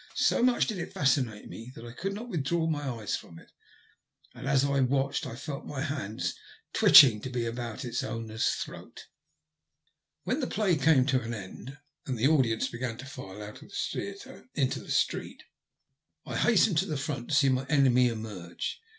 So much did it fascinate me that I could not withdraw my eyes from it, and as I watched I felt my hands twitching to be about its owner's throat. When the play came to an end, and the audience began to file out of the theatre into the street, I hastened to the front to see my enemy emerge.